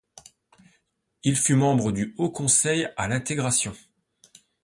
Il fut membre du Haut Conseil à l'intégration.